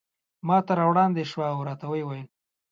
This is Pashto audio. ماته را وړاندې شوه او راته ویې ویل.